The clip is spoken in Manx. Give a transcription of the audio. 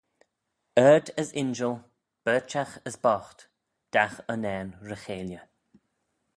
Ard as injil, berchagh as boght: dagh unnane ry-cheilley.